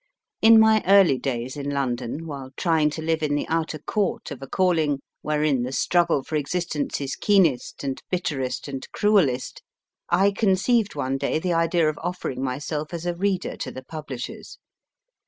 In my early days in London, while trying to live in the outer court of a calling wherein the struggle for o oo existence is keenest and bitterest and cruellest, I conceived one day the idea of offering myself as a reader to the publishers.